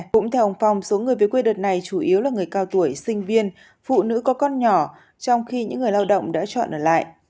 cũng theo ông phong số người về quê đợt này chủ yếu là người cao tuổi sinh viên phụ nữ có con nhỏ trong khi những người lao động đã chọn ở lại